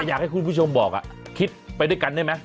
อยากให้คุณผู้ชมบอกคิดไปด้วยกันได้ไหม